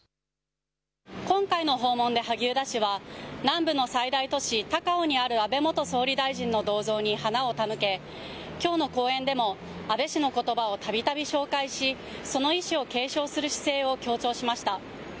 今回の訪問で萩生田氏は南部の最大都市、高雄にある安倍元総理大臣の銅像に花を手向けきょうの講演でも安倍氏のことばをたびたび紹介し、その遺志を継承する姿勢を強調しました。